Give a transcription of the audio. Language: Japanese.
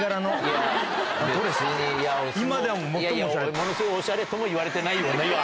ものすごいおしゃれとも言われてない。